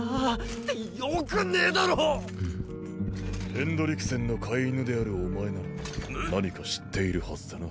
ヘンドリクセンの飼い犬であるお前なら何か知っているはずだな？